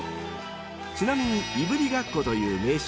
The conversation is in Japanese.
［ちなみにいぶりがっこという名称は］